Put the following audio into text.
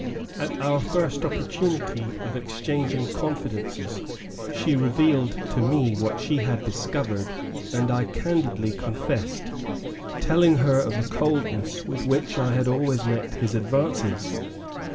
At our first opportunity of exchanging confidences, she revealed to me what she had discovered and I candidly confessed, telling her of the coldness with which I had always met his advances.